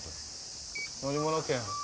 乗り物券。